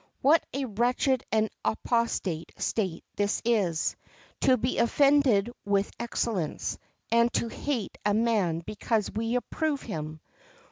What a wretched and apostate state is this—to be offended with excellence, and to hate a man because we approve him!